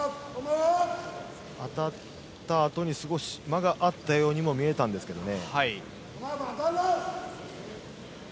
当たったあとに少し間があったようにも見えたんですけどね。